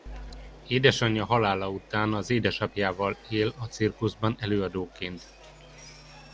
Édesanyja halála után az édesapjával él a cirkuszban előadóként.